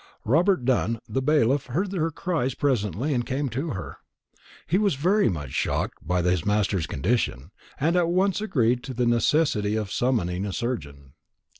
Robert Dunn, the bailiff, heard her cries presently and came to her. He was very much shocked by his master's condition, and at once agreed to the necessity of summoning a surgeon.